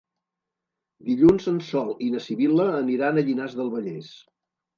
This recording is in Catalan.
Dilluns en Sol i na Sibil·la aniran a Llinars del Vallès.